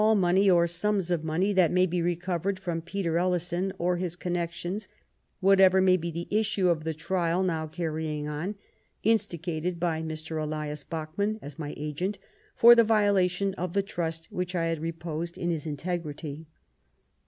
money or soms of money that may be recovered from Peter Ellison or his connections, whatever may be the issue of the trial now carry ing on, instigated by Mr. Elias Bachman, as my agent, for the viola tion of the trust which I had reposed in his integrity.